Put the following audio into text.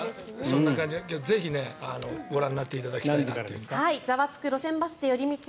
ぜひご覧になっていただきたいと。